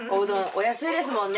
お安いですもんね。